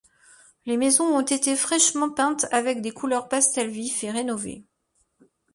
Les maisons ont été fraîchement peintes avec des couleurs pastel vif et rénovées.